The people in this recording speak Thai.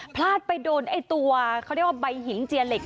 พลาดไปโดนไอ้ตัวเขาเรียกว่าใบหิงเจียเหล็ก